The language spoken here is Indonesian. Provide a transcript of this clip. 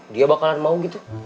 dia bakalan mau gitu